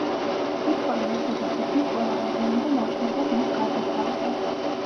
მკითხველი რუსეთის თითქმის ყველა რეგიონიდან აცნობეს მის გარდაცვალებას.